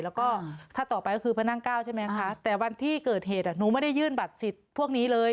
แล้วก็ถ้าต่อไปก็คือพระนั่งเก้าใช่ไหมคะแต่วันที่เกิดเหตุหนูไม่ได้ยื่นบัตรสิทธิ์พวกนี้เลย